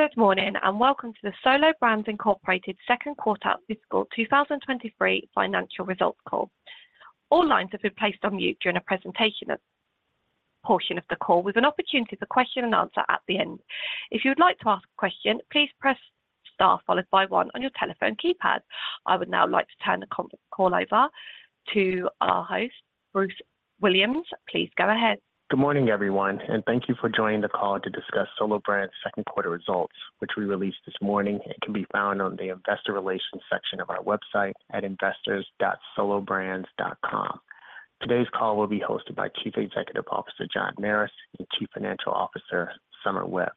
Good morning, welcome to the Solo Brands Incorporated second quarter fiscal 2023 financial results call. All lines have been placed on mute during the presentation of portion of the call, with an opportunity for question and answer at the end. If you would like to ask a question, please press Star followed by 1 on your telephone keypad. I would now like to turn the call over to our host, Bruce Williams. Please go ahead. Good morning, everyone, and thank you for joining the call to discuss Solo Brands' second quarter results, which we released this morning. It can be found on the investor relations section of our website at investors.solobrands.com. Today's call will be hosted by Chief Executive Officer, John Merris, and Chief Financial Officer, Somer Webb.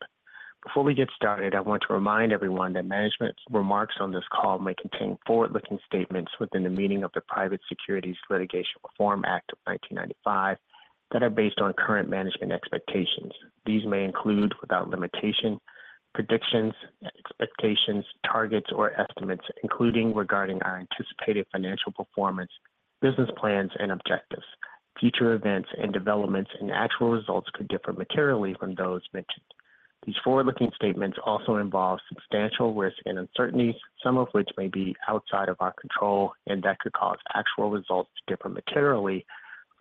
Before we get started, I want to remind everyone that management's remarks on this call may contain forward-looking statements within the meaning of the Private Securities Litigation Reform Act of 1995, that are based on current management expectations. These may include, without limitation, predictions, expectations, targets, or estimates, including regarding our anticipated financial performance, business plans and objectives. Future events and developments and actual results could differ materially from those mentioned. These forward-looking statements also involve substantial risk and uncertainty, some of which may be outside of our control, and that could cause actual results to differ materially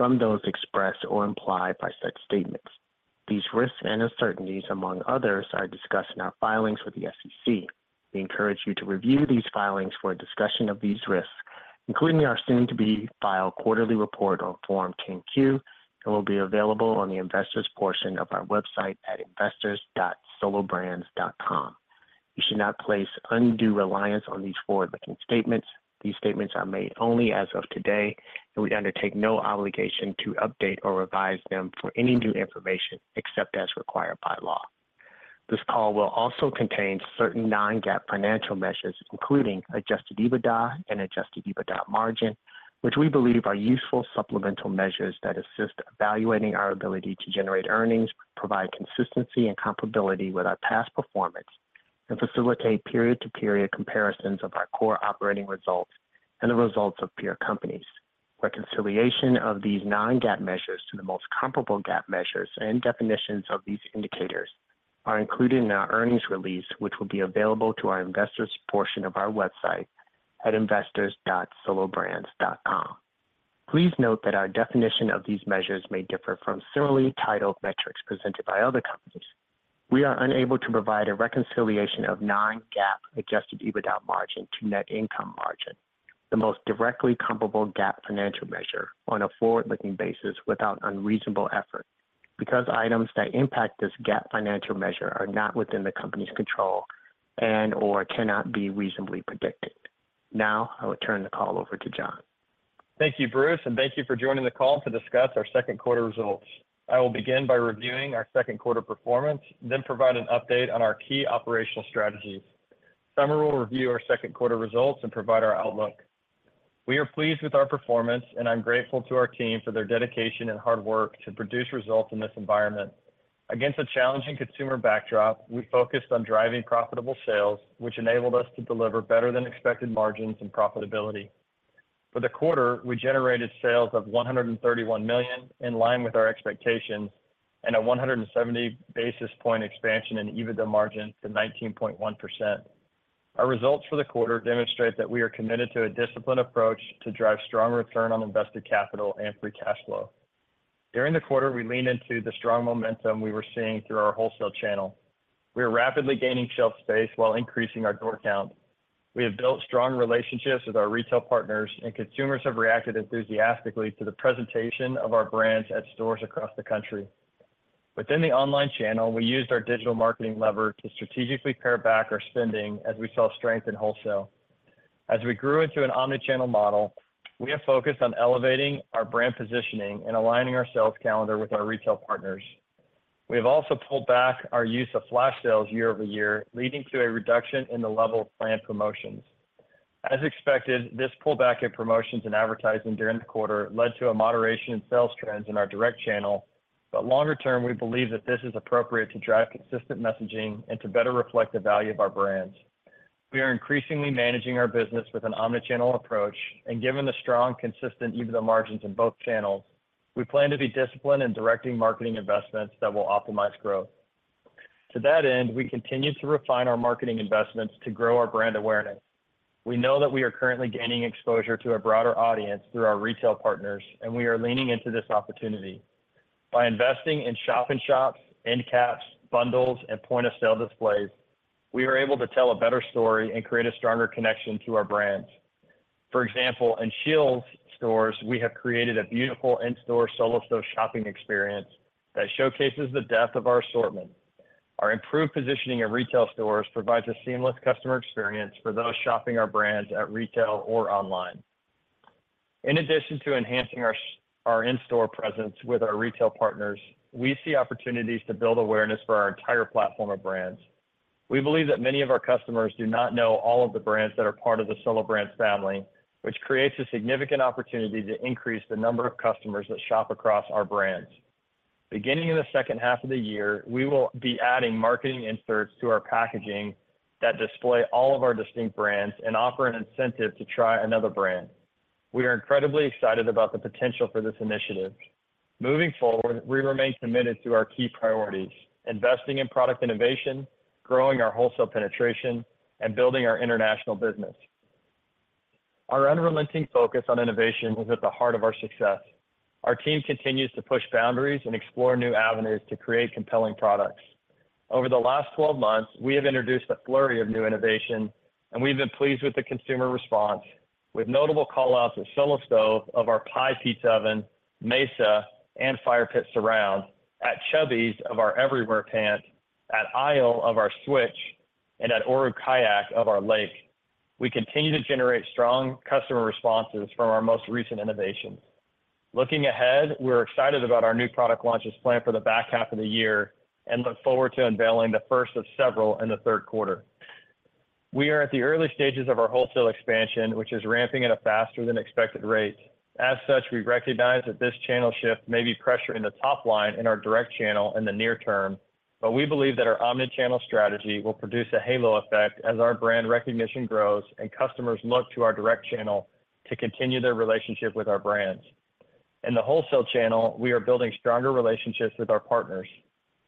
from those expressed or implied by such statements. These risks and uncertainties, among others, are discussed in our filings with the SEC. We encourage you to review these filings for a discussion of these risks, including our soon-to-be filed quarterly report on Form 10-Q, and will be available on the investors portion of our website at investors.solobrands.com. You should not place undue reliance on these forward-looking statements. These statements are made only as of today, and we undertake no obligation to update or revise them for any new information, except as required by law. This call will also contain certain non-GAAP financial measures, including adjusted EBITDA and adjusted EBITDA margin, which we believe are useful supplemental measures that assist evaluating our ability to generate earnings, provide consistency and comparability with our past performance, and facilitate period-to-period comparisons of our core operating results and the results of peer companies. Reconciliation of these non-GAAP measures to the most comparable GAAP measures and definitions of these indicators are included in our earnings release, which will be available to our investors portion of our website at investors.solobrands.com. Please note that our definition of these measures may differ from similarly titled metrics presented by other companies. We are unable to provide a reconciliation of non-GAAP adjusted EBITDA margin to net income margin, the most directly comparable GAAP financial measure on a forward-looking basis without unreasonable effort. Because items that impact this GAAP financial measure are not within the company's control and/or cannot be reasonably predicted. Now, I will turn the call over to John. Thank you, Bruce, and thank you for joining the call to discuss our second quarter results. I will begin by reviewing our second quarter performance, then provide an update on our key operational strategies. Somer will review our second quarter results and provide our outlook. We are pleased with our performance, and I'm grateful to our team for their dedication and hard work to produce results in this environment. Against a challenging consumer backdrop, we focused on driving profitable sales, which enabled us to deliver better than expected margins and profitability. For the quarter, we generated sales of $131 million, in line with our expectations, and a 170 basis point expansion in EBITDA margin to 19.1%. Our results for the quarter demonstrate that we are committed to a disciplined approach to drive strong return on invested capital and free cash flow. During the quarter, we leaned into the strong momentum we were seeing through our wholesale channel. We are rapidly gaining shelf space while increasing our door count. We have built strong relationships with our retail partners, and consumers have reacted enthusiastically to the presentation of our brands at stores across the country. Within the online channel, we used our digital marketing lever to strategically pare back our spending as we saw strength in wholesale. As we grew into an omni-channel model, we have focused on elevating our brand positioning and aligning our sales calendar with our retail partners. We have also pulled back our use of flash sales year-over-year, leading to a reduction in the level of planned promotions. As expected, this pullback in promotions and advertising during the quarter led to a moderation in sales trends in our direct channel, but longer term, we believe that this is appropriate to drive consistent messaging and to better reflect the value of our brands. We are increasingly managing our business with an omni-channel approach, and given the strong, consistent EBITDA margins in both channels, we plan to be disciplined in directing marketing investments that will optimize growth. To that end, we continue to refine our marketing investments to grow our brand awareness. We know that we are currently gaining exposure to a broader audience through our retail partners, and we are leaning into this opportunity. By investing in shop and shops, end caps, bundles, and point-of-sale displays, we are able to tell a better story and create a stronger connection to our brands. For example, in SCHEELS stores, we have created a beautiful in-store Solo Stove shopping experience that showcases the depth of our assortment. Our improved positioning in retail stores provides a seamless customer experience for those shopping our brands at retail or online. In addition to enhancing our in-store presence with our retail partners, we see opportunities to build awareness for our entire platform of brands. We believe that many of our customers do not know all of the brands that are part of the Solo Brands family, which creates a significant opportunity to increase the number of customers that shop across our brands. Beginning in the second half of the year, we will be adding marketing inserts to our packaging that display all of our distinct brands and offer an incentive to try another brand. We are incredibly excited about the potential for this initiative. Moving forward, we remain committed to our key priorities: investing in product innovation, growing our wholesale penetration, and building our international business. Our unrelenting focus on innovation is at the heart of our success. Our team continues to push boundaries and explore new avenues to create compelling products. Over the last 12 months, we have introduced a flurry of new innovation, and we've been pleased with the consumer response, with notable call-outs of Solo Stove, of our Pi Pizza Oven, Mesa, and Fire Pit Surround, at ISLE of our Switch, at Chubbies of our Everywear Pant, and at Oru Kayak of our Lake. We continue to generate strong customer responses from our most recent innovations. Looking ahead, we're excited about our new product launches planned for the back half of the year and look forward to unveiling the first of several in the third quarter. We are at the early stages of our wholesale expansion, which is ramping at a faster-than-expected rate. As such, we recognize that this channel shift may be pressure in the top line in our direct channel in the near term, but we believe that our omni-channel strategy will produce a halo effect as our brand recognition grows and customers look to our direct channel to continue their relationship with our brands. In the wholesale channel, we are building stronger relationships with our partners.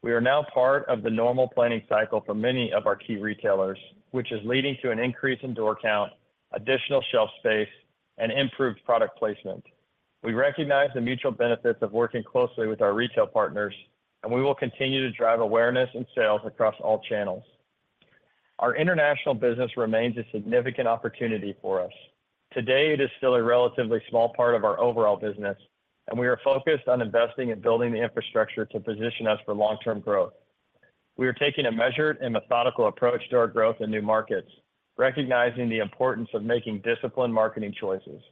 We are now part of the normal planning cycle for many of our key retailers, which is leading to an increase in door count, additional shelf space, and improved product placement. We recognize the mutual benefits of working closely with our retail partners, and we will continue to drive awareness and sales across all channels. Our international business remains a significant opportunity for us. Today, it is still a relatively small part of our overall business, and we are focused on investing and building the infrastructure to position us for long-term growth. We are taking a measured and methodical approach to our growth in new markets, recognizing the importance of making disciplined marketing choices.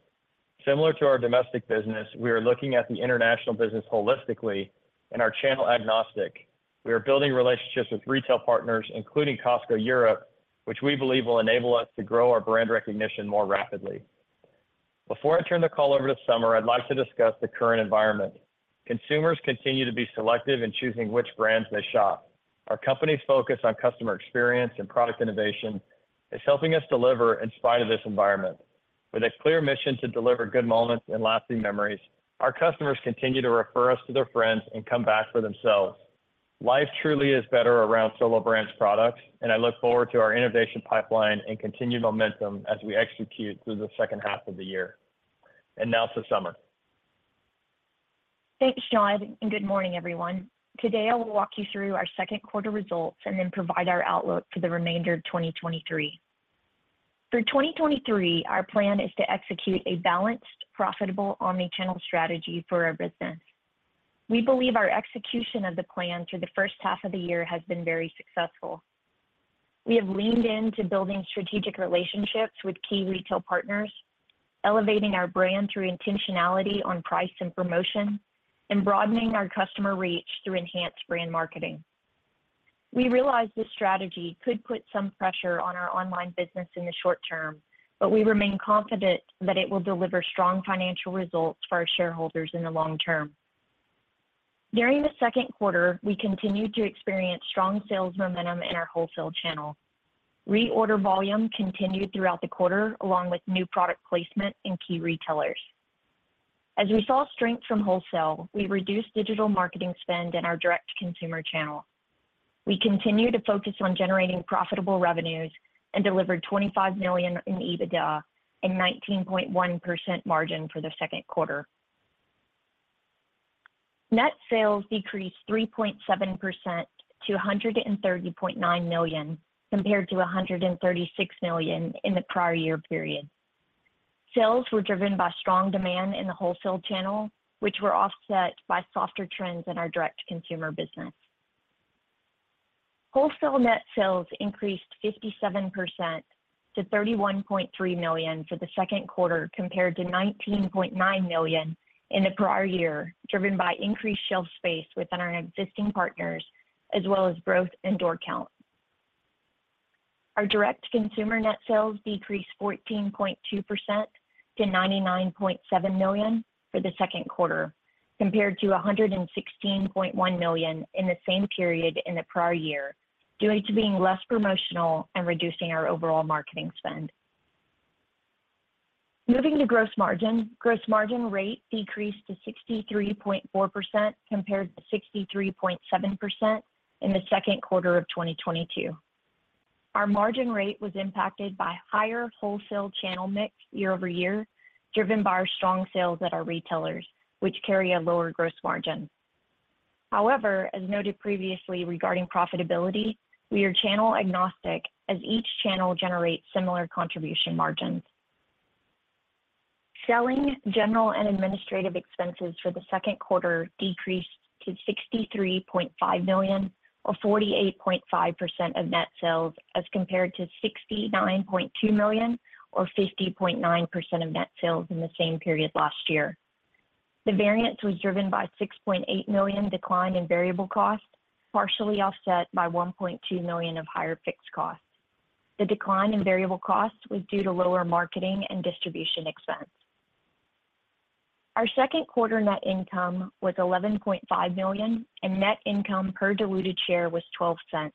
Similar to our domestic business, we are looking at the international business holistically and are channel-agnostic. We are building relationships with retail partners, including Costco Europe, which we believe will enable us to grow our brand recognition more rapidly. Before I turn the call over to Somer, I'd like to discuss the current environment. Consumers continue to be selective in choosing which brands they shop. Our company's focus on customer experience and product innovation is helping us deliver in spite of this environment. With a clear mission to deliver good moments and lasting memories, our customers continue to refer us to their friends and come back for themselves. Life truly is better around Solo Brands products, and I look forward to our innovation pipeline and continued momentum as we execute through the second half of the year. Now to Somer. Thanks, John, and good morning, everyone. Today, I will walk you through our second quarter results and then provide our outlook for the remainder of 2023. For 2023, our plan is to execute a balanced, profitable omni-channel strategy for our business. We believe our execution of the plan through the first half of the year has been very successful. We have leaned into building strategic relationships with key retail partners, elevating our brand through intentionality on price and promotion, and broadening our customer reach through enhanced brand marketing. We realize this strategy could put some pressure on our online business in the short term, but we remain confident that it will deliver strong financial results for our shareholders in the long term. During the second quarter, we continued to experience strong sales momentum in our wholesale channel. Reorder volume continued throughout the quarter, along with new product placement in key retailers. As we saw strength from wholesale, we reduced digital marketing spend in our direct-to-consumer channel. We continued to focus on generating profitable revenues and delivered $25 million in EBITDA and 19.1% margin for the second quarter. Net sales decreased 3.7% to $130.9 million, compared to $136 million in the prior year period. Sales were driven by strong demand in the wholesale channel, which were offset by softer trends in our direct-to-consumer business. Wholesale net sales increased 57% to $31.3 million for the second quarter, compared to $19.9 million in the prior year, driven by increased shelf space within our existing partners, as well as growth in door count. Our direct-to-consumer net sales decreased 14.2% to $99.7 million for the second quarter, compared to $116.1 million in the same period in the prior year, due to being less promotional and reducing our overall marketing spend. Moving to gross margin. Gross margin rate decreased to 63.4%, compared to 63.7% in the second quarter of 2022. Our margin rate was impacted by higher wholesale channel mix year-over-year, driven by our strong sales at our retailers, which carry a lower gross margin. However, as noted previously regarding profitability, we are channel-agnostic as each channel generates similar contribution margins. Selling, general, and administrative expenses for the second quarter decreased to $63.5 million, or 48.5% of net sales, as compared to $69.2 million, or 50.9% of net sales in the same period last year. The variance was driven by a $6.8 million decline in variable costs, partially offset by $1.2 million of higher fixed costs. The decline in variable costs was due to lower marketing and distribution expense. Our second quarter net income was $11.5 million, and net income per diluted share was $0.12.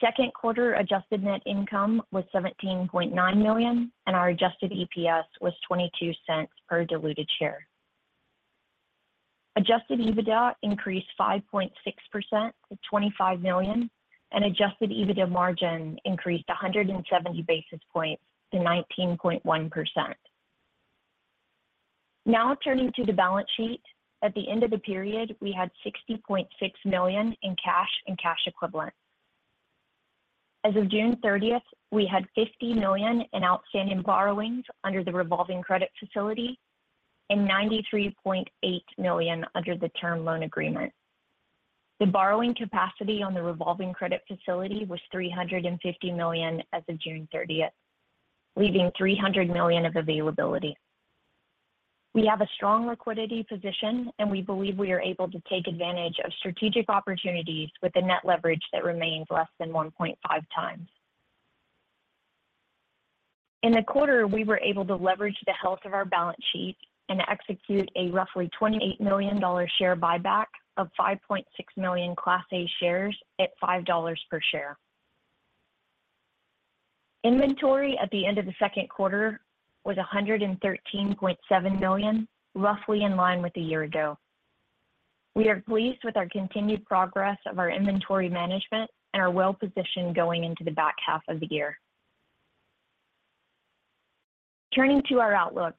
Second quarter adjusted net income was $17.9 million, and our adjusted EPS was $0.22 per diluted share. Adjusted EBITDA increased 5.6% to $25 million, and adjusted EBITDA margin increased 170 basis points to 19.1%. Now turning to the balance sheet. At the end of the period, we had $60.6 million in cash and cash equivalents. As of June thirtieth, we had $50 million in outstanding borrowings under the revolving credit facility and $93.8 million under the term loan agreement. The borrowing capacity on the revolving credit facility was $350 million as of June thirtieth, leaving $300 million of availability. We have a strong liquidity position, and we believe we are able to take advantage of strategic opportunities with a net leverage that remains less than 1.5 times. In the quarter, we were able to leverage the health of our balance sheet and execute a roughly $28 million share buyback of 5.6 million Class A shares at $5 per share. Inventory at the end of the second quarter was $113.7 million, roughly in line with a year ago. We are pleased with our continued progress of our inventory management and are well positioned going into the back half of the year. Turning to our outlook,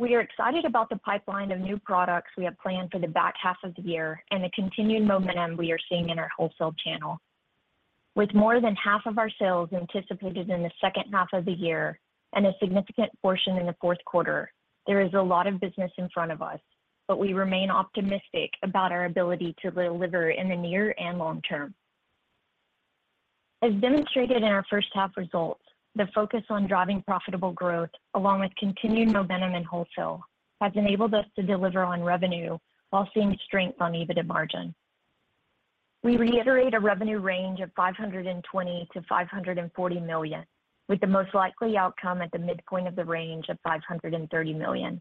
we are excited about the pipeline of new products we have planned for the back half of the year and the continued momentum we are seeing in our wholesale channel. With more than half of our sales anticipated in the second half of the year and a significant portion in the fourth quarter, there is a lot of business in front of us, but we remain optimistic about our ability to deliver in the near and long term. As demonstrated in our first half results, the focus on driving profitable growth, along with continued momentum in wholesale, has enabled us to deliver on revenue while seeing strength on EBITDA margin. We reiterate a revenue range of $520 million-$540 million, with the most likely outcome at the midpoint of the range of $530 million.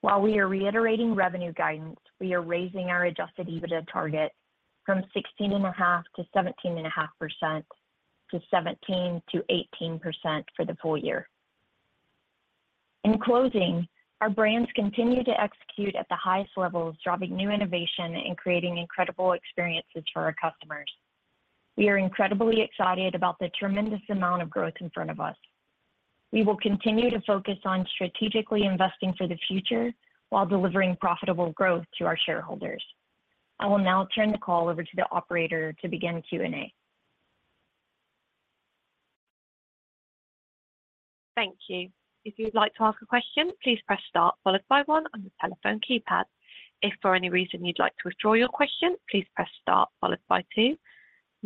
While we are reiterating revenue guidance, we are raising our adjusted EBITDA target from 16.5%-17.5% to 17%-18% for the full year. In closing, our brands continue to execute at the highest levels, driving new innovation and creating incredible experiences for our customers. We are incredibly excited about the tremendous amount of growth in front of us. We will continue to focus on strategically investing for the future while delivering profitable growth to our shareholders. I will now turn the call over to the operator to begin Q&A. Thank you. If you'd like to ask a question, please press star followed by 1 on the telephone keypad. If for any reason you'd like to withdraw your question, please press star followed by 2.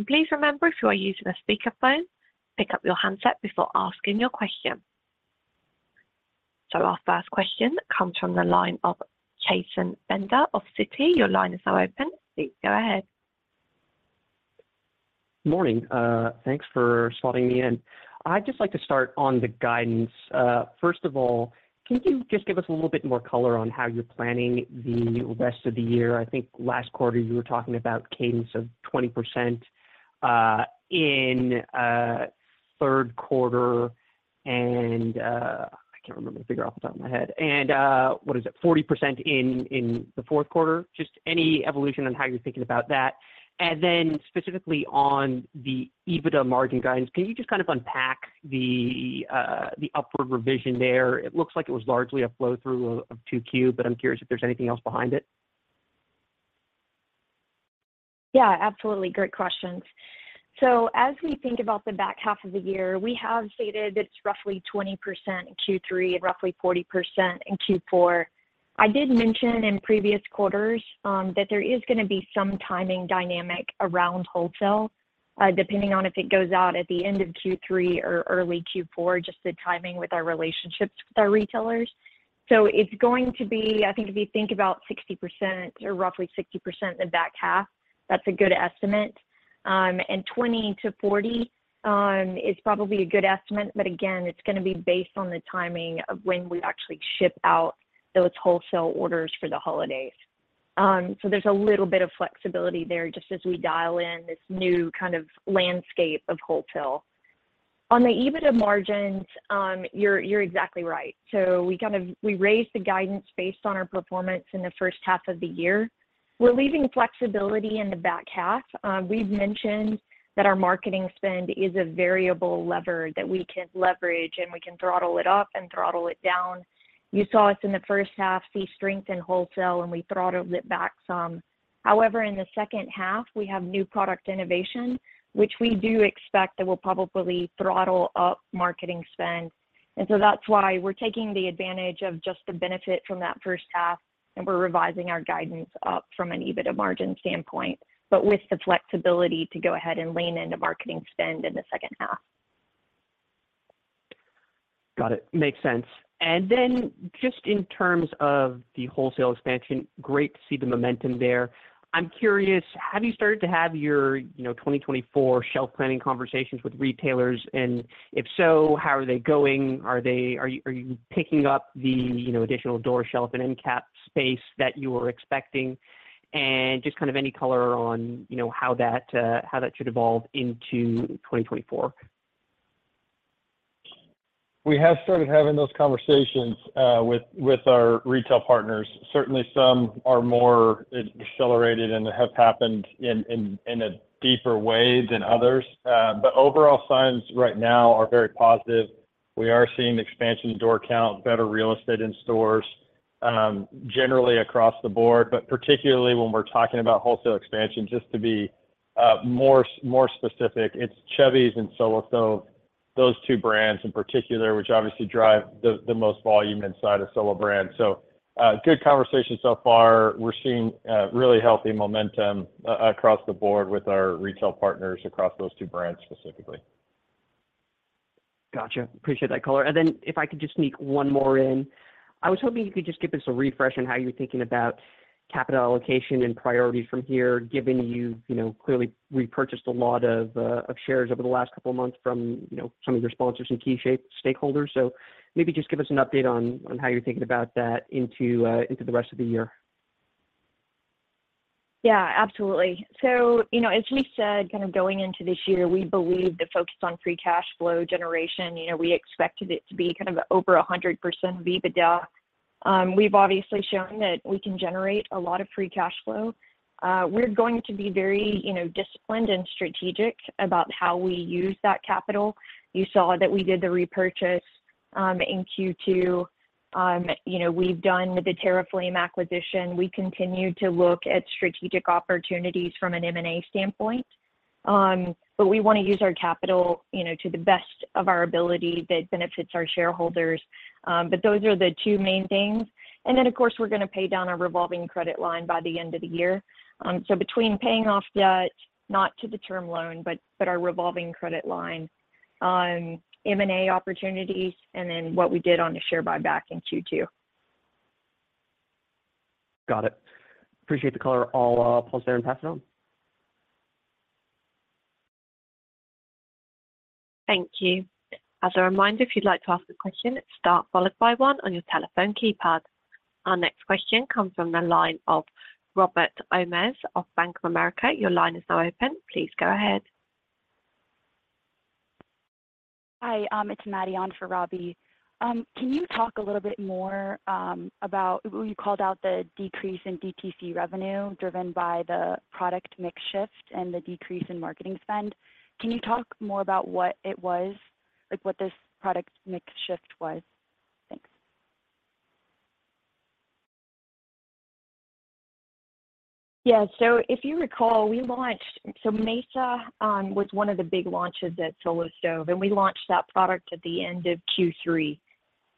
Please remember, if you are using a speakerphone, pick up your handset before asking your question. Our first question comes from the line of Chasen Bender of Citi. Your line is now open. Please, go ahead. Morning. Thanks for spotting me in. I'd just like to start on the guidance. First of all, can you just give us a little bit more color on how you're planning the rest of the year? I think last quarter you were talking about cadence of 20% in third quarter, I can't remember the figure off the top of my head. What is it? 40% in, in the fourth quarter. Just any evolution on how you're thinking about that. Specifically on the EBITDA margin guidance, can you just kind of unpack the upward revision there? It looks like it was largely a flow-through of, of 2Q, but I'm curious if there's anything else behind it. Yeah, absolutely. Great questions. As we think about the back half of the year, we have stated it's roughly 20% in Q3 and roughly 40% in Q4. I did mention in previous quarters, that there is gonna be some timing dynamic around wholesale, depending on if it goes out at the end of Q3 or early Q4, just the timing with our relationships with our retailers. It's gonna be, I think, if you think about 60% or roughly 60% in the back half, that's a good estimate, and 20%-40% is probably a good estimate, but again, it's gonna be based on the timing of when we actually ship out those wholesale orders for the holidays. There's a little bit of flexibility there just as we dial in this new kind of landscape of wholesale. On the EBITDA margins, you're, you're exactly right. We raised the guidance based on our performance in the first half of the year. We've mentioned that our marketing spend is a variable lever that we can leverage, and we can throttle it up and throttle it down. You saw us in the first half see strength in wholesale, and we throttled it back some. However, in the second half, we have new product innovation, which we do expect that we'll probably throttle up marketing spend. That's why we're taking the advantage of just the benefit from that first half, and we're revising our guidance up from an EBITDA margin standpoint, but with the flexibility to go ahead and lean into marketing spend in the second half. Got it. Makes sense. Then just in terms of the wholesale expansion, great to see the momentum there. I'm curious, have you started to have your, you know, 2024 shelf planning conversations with retailers? If so, how are they going? Are you, are you picking up the, you know, additional door shelf and end cap space that you were expecting? Just kind of any color on, you know, how that should evolve into 2024. ... We have started having those conversations, with, with our retail partners. Certainly, some are more accelerated and have happened in, in, in a deeper way than others. Overall signs right now are very positive. We are seeing expansion in door count, better real estate in stores, generally across the board, but particularly when we're talking about wholesale expansion. Just to be more specific, it's Chubbies and Solo Stove, those two brands in particular, which obviously drive the, the most volume inside of Solo Brands. Good conversation so far. We're seeing really healthy momentum across the board with our retail partners across those two brands specifically. Gotcha. Appreciate that color. If I could just sneak one more in. I was hoping you could just give us a refresh on how you're thinking about capital allocation and priorities from here, given you've, you know, clearly repurchased a lot of shares over the last couple of months from, you know, some of your sponsors and key stakeholders. Maybe just give us an update on, on how you're thinking about that into the rest of the year. Yeah, absolutely. You know, as we said, kind of going into this year, we believe the focus on free cash flow generation, you know, we expected it to be kind of over 100% EBITDA. We've obviously shown that we can generate a lot of free cash flow. We're going to be very, you know, disciplined and strategic about how we use that capital. You saw that we did the repurchase in Q2. You know, we've done with the TerraFlame acquisition. We continue to look at strategic opportunities from an M&A standpoint, but we wanna use our capital, you know, to the best of our ability that benefits our shareholders. But those are the two main things. Of course, we're gonna pay down our revolving credit line by the end of the year. Between paying off debt, not to the term loan, but, but our revolving credit line, M&A opportunities, and then what we did on the share buyback in Q2. Got it. Appreciate the color. I'll pause there and pass it on. Thank you. As a reminder, if you'd like to ask a question, star followed by 1 on your telephone keypad. Our next question comes from the line of Robert Ohmes of Bank of America. Your line is now open. Please go ahead. Hi, it's Maddie on for Robbie. Can you talk a little bit more about, you called out the decrease in DTC revenue, driven by the product mix shift and the decrease in marketing spend. Can you talk more about what it was, like, what this product mix shift was? Thanks. Yeah. If you recall, Mesa was one of the big launches at Solo Stove, and we launched that product at the end of Q3.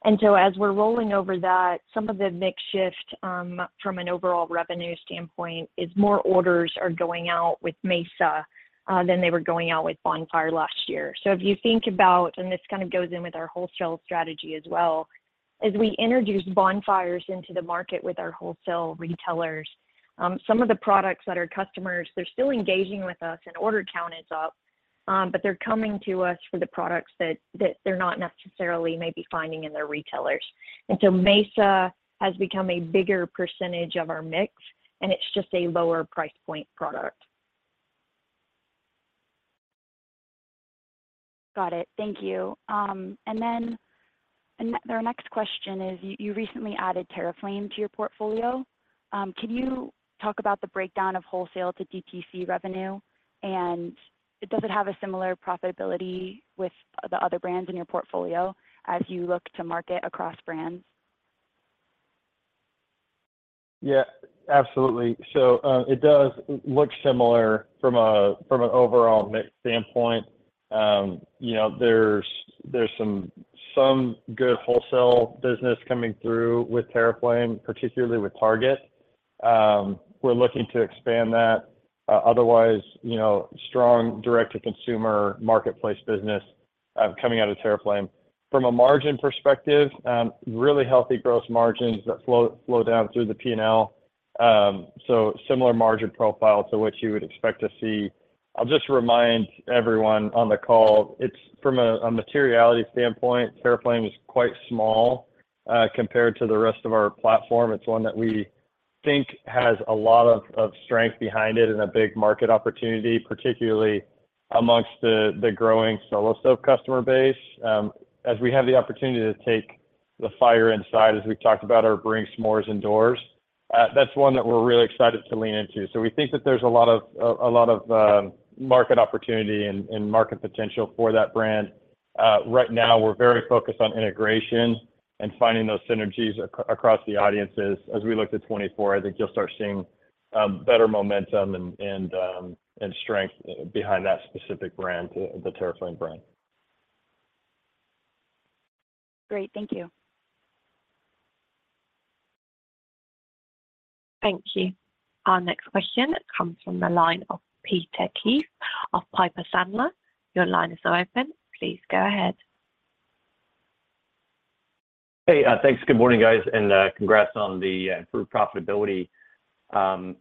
As we're rolling over that, some of the mix shift from an overall revenue standpoint is more orders are going out with Mesa than they were going out with Bonfire last year. If you think about, this kind of goes in with our wholesale strategy as well, as we introduced Bonfires into the market with our wholesale retailers, some of the products that our customers, they're still engaging with us and order count is up, they're coming to us for the products that, that they're not necessarily maybe finding in their retailers. Mesa has become a bigger percentage of our mix, it's just a lower price point product. Got it. Thank you. The next question is, you, you recently added TerraFlame to your portfolio. Can you talk about the breakdown of wholesale to DTC revenue? And does it have a similar profitability with the other brands in your portfolio as you look to market across brands? Yeah, absolutely. It does look similar from a, from an overall mix standpoint. You know, there's, there's some, some good wholesale business coming through with TerraFlame, particularly with Target. We're looking to expand that, otherwise, you know, strong direct-to-consumer marketplace business coming out of TerraFlame. From a margin perspective, really healthy gross margins that flow, flow down through the P&L. Similar margin profile to what you would expect to see. I'll just remind everyone on the call, it's from a, a materiality standpoint, TerraFlame is quite small compared to the rest of our platform. It's one that we think has a lot of, of strength behind it and a big market opportunity, particularly amongst the, the growing Solo Stove customer base. As we have the opportunity to take the fire inside, as we talked about, our bring s'mores indoors, that's one that we're really excited to lean into. We think that there's a lot of, a lot of, market opportunity and, and market potential for that brand. Right now, we're very focused on integration and finding those synergies across the audiences. We look to 2024, I think you'll start seeing, better momentum and, and, strength behind that specific brand, the, the TerraFlame brand. Great. Thank you. Thank you. Our next question comes from the line of Peter Keith of Piper Sandler. Your line is now open. Please go ahead. Hey, thanks. Good morning, guys, and congrats on the improved profitability.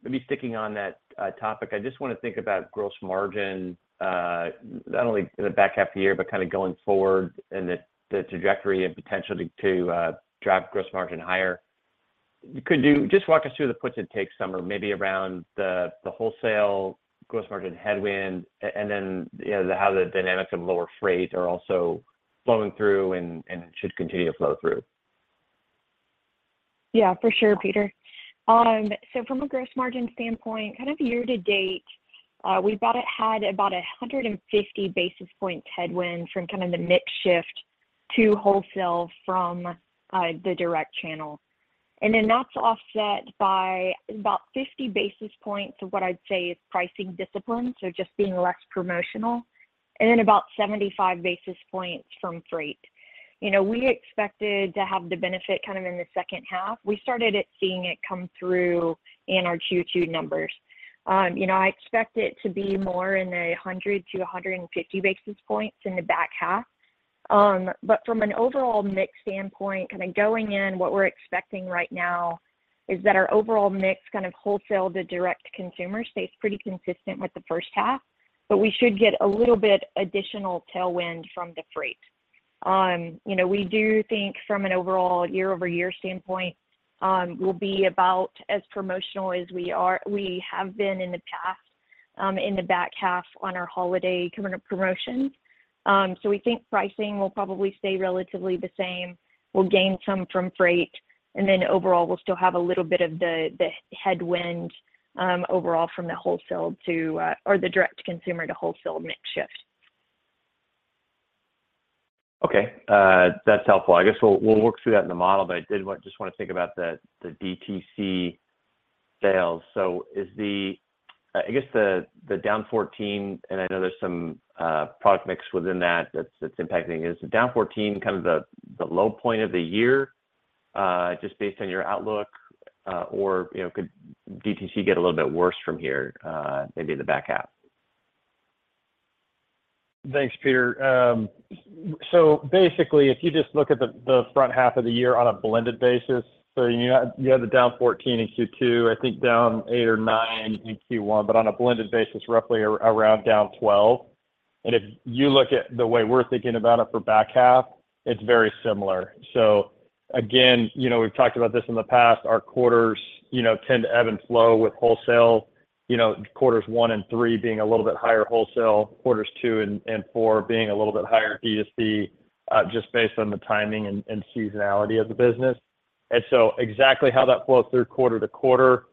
Maybe sticking on that topic, I just wanna think about gross margin, not only in the back half of the year, but kinda going forward and the trajectory and potentially to drive gross margin higher. Could you just walk us through the puts and takes, Somer, maybe around the wholesale gross margin headwind, and then, you know, how the dynamics of lower freight are also flowing through and should continue to flow through? Yeah, for sure, Peter. So from a gross margin standpoint, kind of year to date, we've about had about 150 basis points headwind from kind of the mix shift to wholesale from the direct channel. That's offset by about 50 basis points of what I'd say is pricing discipline, so just being less promotional, and then about 75 basis points from freight. You know, we expected to have the benefit kind of in the second half. We started it, seeing it come through in our Q2 numbers. You know, I expect it to be more in the 100-150 basis points in the back half. From an overall mix standpoint, kind of going in, what we're expecting right now is that our overall mix, kind of wholesale to direct-to-consumer, stays pretty consistent with the first half, but we should get a little bit additional tailwind from the freight. You know, we do think from an overall year-over-year standpoint, we'll be about as promotional as we have been in the past, in the back half on our holiday kind of promotion. We think pricing will probably stay relatively the same. We'll gain some from freight, and then overall, we'll still have a little bit of the headwind, overall from the wholesale to or the direct-to-consumer to wholesale mix shift. Okay. That's helpful. I guess we'll work through that in the model, but I did just wanna think about the DTC sales. Is the, I guess the, the down 14, and I know there's some product mix within that, that's, that's impacting. Is the down 14 kind of the, the low point of the year, just based on your outlook? Or, you know, could DTC get a little bit worse from here, maybe in the back half? Thanks, Peter. So basically, if you just look at the front half of the year on a blended basis, you know, you had the down 14 in Q2, I think down eight or nine in Q1, but on a blended basis, roughly around down 12. If you look at the way we're thinking about it for back half, it's very similar. Again, you know, we've talked about this in the past, our quarters, you know, tend to ebb and flow with wholesale. You know, quarters one and three being a little bit higher wholesale, quarters two and four being a little bit higher DTC, just based on the timing and seasonality of the business. Exactly how that flows through quarter to quarter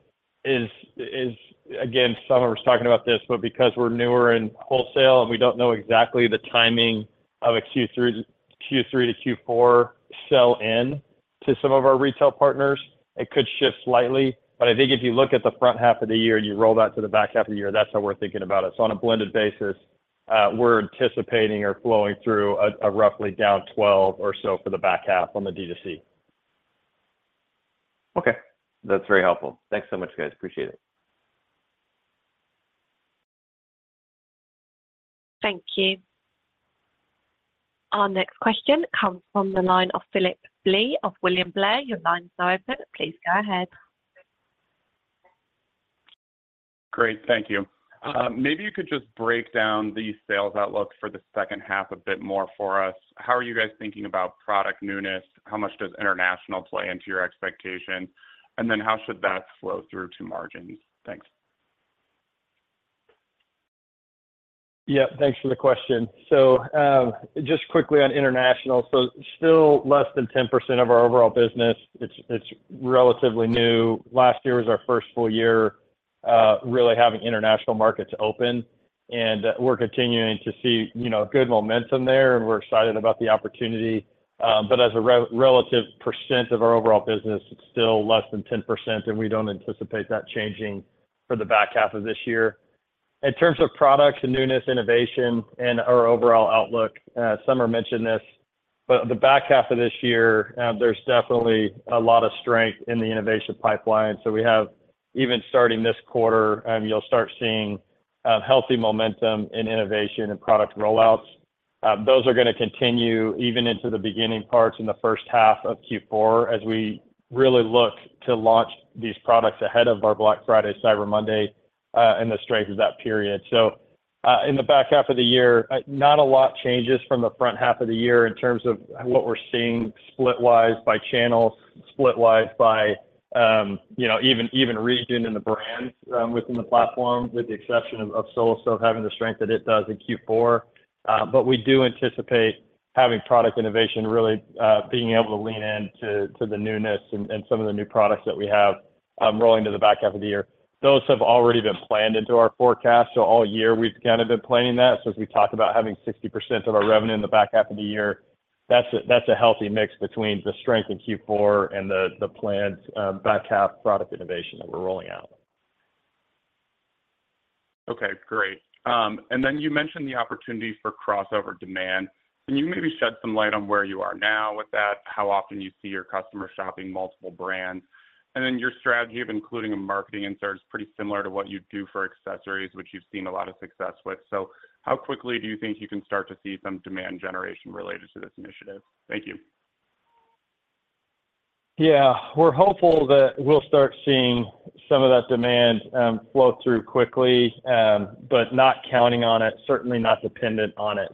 is... Somer was talking about this, because we're newer in wholesale, and we don't know exactly the timing of a Q3 to, Q3 to Q4 sell-in to some of our retail partners, it could shift slightly. I think if you look at the front half of the year, and you roll that to the back half of the year, that's how we're thinking about it. On a blended basis, we're anticipating or flowing through a roughly down 12 or so for the back half on the DTC. Okay. That's very helpful. Thanks so much, guys. Appreciate it. Thank you. Our next question comes from the line of Phillip Blee of William Blair. Your line is now open. Please go ahead. Great. Thank you. Maybe you could just break down the sales outlook for the second half a bit more for us. How are you guys thinking about product newness? How much does international play into your expectation? How should that flow through to margins? Thanks. Yeah, thanks for the question. Just quickly on international, still less than 10% of our overall business. It's, it's relatively new. Last year was our first full year, really having international markets open, and we're continuing to see, you know, good momentum there, and we're excited about the opportunity. As a relative percent of our overall business, it's still less than 10%, and we don't anticipate that changing for the back half of this year. In terms of products, and newness, innovation, and our overall outlook, Somer mentioned this, the back half of this year, there's definitely a lot of strength in the innovation pipeline. We have, even starting this quarter, you'll start seeing healthy momentum in innovation and product rollouts. Those are gonna continue even into the beginning parts in the first half of Q4, as we really look to launch these products ahead of our Black Friday, Cyber Monday, and the strength of that period. In the back half of the year, not a lot changes from the front half of the year in terms of what we're seeing split-wise by channel, split-wise by, you know, even, even region and the brands within the platform, with the exception of, of Solo Stove having the strength that it does in Q4. We do anticipate having product innovation really being able to lean in to, to the newness and, and some of the new products that we have rolling to the back half of the year. Those have already been planned into our forecast. All year we've kind of been planning that. As we talk about having 60% of our revenue in the back half of the year, that's a, that's a healthy mix between the strength in Q4 and the, the planned, back half product innovation that we're rolling out. Okay, great. You mentioned the opportunity for crossover demand. Can you maybe shed some light on where you are now with that? How often you see your customers shopping multiple brands? Your strategy of including a marketing insert is pretty similar to what you do for accessories, which you've seen a lot of success with. How quickly do you think you can start to see some demand generation related to this initiative? Thank you. Yeah. We're hopeful that we'll start seeing some of that demand flow through quickly, but not counting on it, certainly not dependent on it.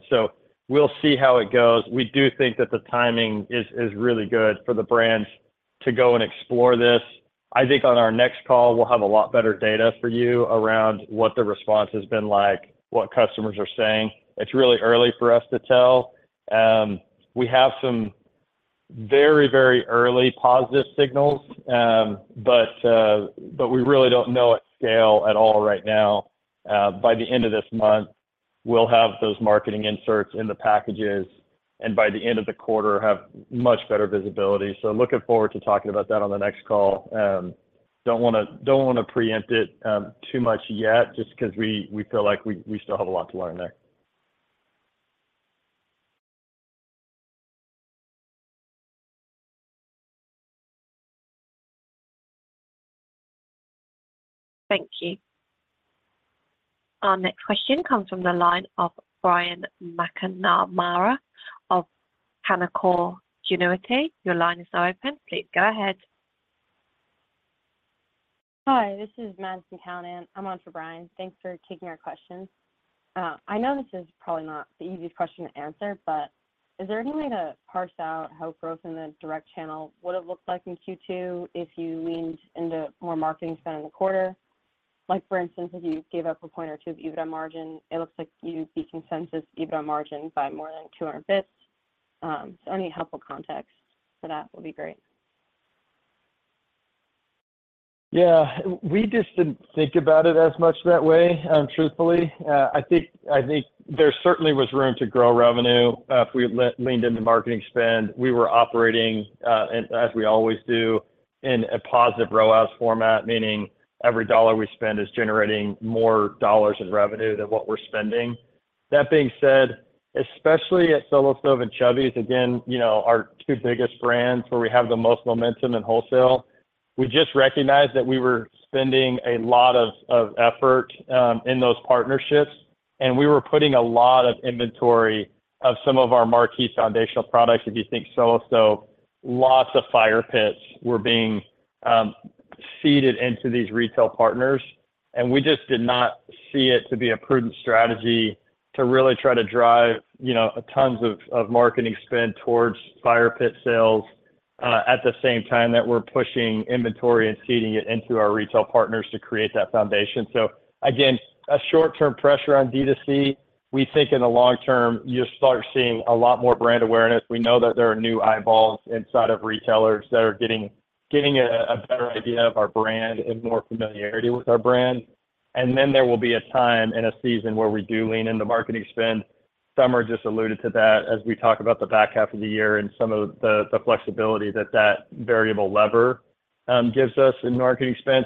We'll see how it goes. We do think that the timing is really good for the brands to go and explore this. I think on our next call, we'll have a lot better data for you around what the response has been like, what customers are saying. It's really early for us to tell. We have some very, very early positive signals, but we really don't know at scale at all right now. By the end of this month, we'll have those marketing inserts in the packages, and by the end of the quarter, have much better visibility. Looking forward to talking about that on the next call. Don't wanna, don't wanna preempt it, too much yet, just 'cause we, we feel like we, we still have a lot to learn there. Thank you. Our next question comes from the line of Brian McNamara of Canaccord Genuity. Your line is now open. Please go ahead. Hi, this is Madison Callinan. I'm on for Brian. Thanks for taking our questions. I know this is probably not the easiest question to answer, but is there any way to parse out how growth in the direct channel, what it looks like in Q2 if you leaned into more marketing spend in the quarter? Like, for instance, if you gave up a point or two of EBITDA margin, it looks like you'd be consensus EBITDA margin by more than 200 basis points. Any helpful context for that will be great. Yeah. We just didn't think about it as much that way, truthfully. I think, I think there certainly was room to grow revenue, if we leaned into marketing spend. We were operating, and as we always do, in a positive ROAS format, meaning every dollar we spend is generating more dollars in revenue than what we're spending. That being said, especially at Solo Stove and Chubbies, again, you know, our two biggest brands, where we have the most momentum in wholesale, we just recognized that we were spending a lot of effort in those partnerships, and we were putting a lot of inventory of some of our marquee foundational products. If you think Solo Stove, lots of fire pits were being seeded into these retail partners, we just did not see it to be a prudent strategy to really try to drive, you know, tons of marketing spend towards fire pit sales, at the same time that we're pushing inventory and seeding it into our retail partners to create that foundation. Again, a short-term pressure on D2C, we think in the long term, you'll start seeing a lot more brand awareness. We know that there are new eyeballs inside of retailers that are getting a, a better idea of our brand and more familiarity with our brand. Then there will be a time and a season where we do lean into marketing spend. Somer just alluded to that as we talk about the back half of the year and some of the, the flexibility that that variable lever gives us in marketing spend.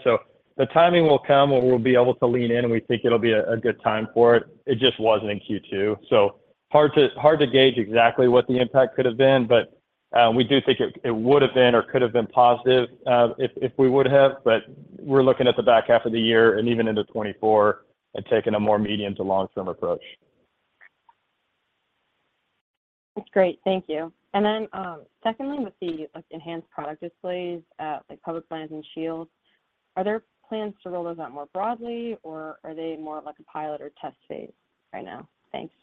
The timing will come when we'll be able to lean in, and we think it'll be a, a good time for it. It just wasn't in Q2, hard to, hard to gauge exactly what the impact could have been, but we do think it, it would have been or could have been positive, if, if we would have. We're looking at the back half of the year and even into 2024, and taking a more medium to long-term approach. That's great. Thank you. Then, secondly, with the, like, enhanced product displays, like Public Lands and SCHEELS, are there plans to roll those out more broadly, or are they more of like a pilot or test phase right now? Thanks.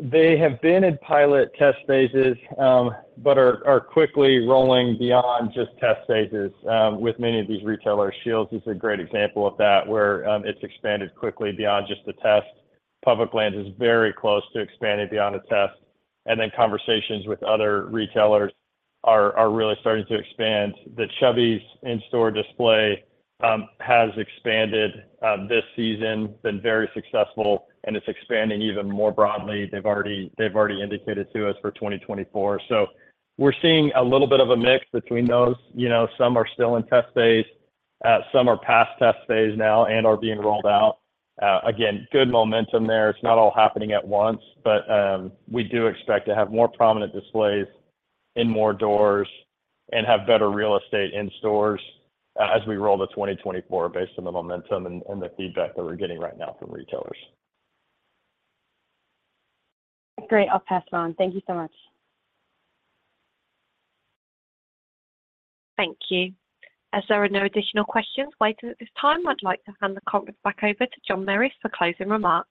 They have been in pilot test phases, are quickly rolling beyond just test phases with many of these retailers. SCHEELS is a great example of that, where it's expanded quickly beyond just the test. Public Lands is very close to expanding beyond a test. Conversations with other retailers are really starting to expand. The Chubbies in-store display has expanded this season, been very successful, and it's expanding even more broadly. They've already indicated to us for 2024. We're seeing a little bit of a mix between those. You know, some are still in test phase, some are past test phase now and are being rolled out. Again, good momentum there. It's not all happening at once, but we do expect to have more prominent displays in more doors and have better real estate in stores as we roll to 2024 based on the momentum and the feedback that we're getting right now from retailers. Great. I'll pass it on. Thank you so much. Thank you. As there are no additional questions waiting at this time, I'd like to hand the conference back over to John Merris for closing remarks.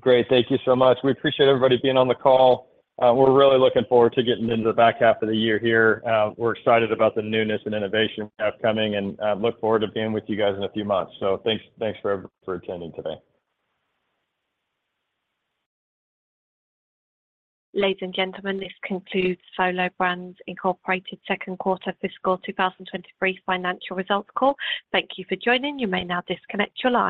Great. Thank you so much. We appreciate everybody being on the call. We're really looking forward to getting into the back half of the year here. We're excited about the newness and innovation we have coming, and look forward to being with you guys in a few months. Thanks, thanks for attending today. Ladies and gentlemen, this concludes Solo Brands Incorporated second quarter fiscal 2023 financial results call. Thank you for joining. You may now disconnect your line.